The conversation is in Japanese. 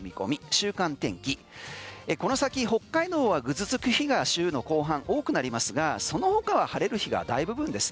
週間天気、この先北海道はぐずつく日が週の後半多くなりますがその他は晴れる日が大部分です。